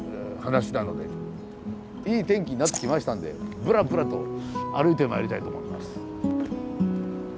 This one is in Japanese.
いい天気になってきましたんでブラブラと歩いてまいりたいと思います。